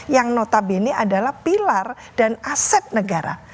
yang notabene adalah pilar dan aset negara